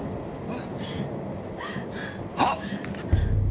あっ！